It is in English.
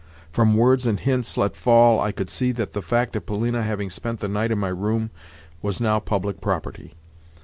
From words and hints let fall I could see that the fact of Polina having spent the night in my room was now public property.